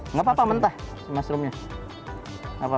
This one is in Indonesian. nggak apa apa mentah mushroomnya